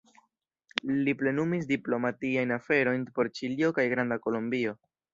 Li plenumis diplomatiajn aferojn por Ĉilio kaj Granda Kolombio.